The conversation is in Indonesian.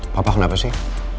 papa kenapa sih